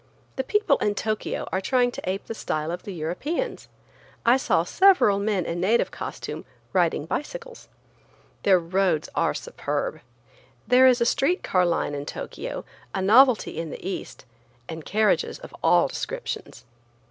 The people in Tokio are trying to ape the style of the Europeans. I saw several men in native costume riding bicycles. Their roads are superb. There is a street car line in Tokio, a novelty in the East, and carriages of all descriptions.